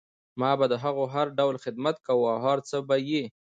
ما به د هغو هر ډول خدمت کوه او هر څه به یې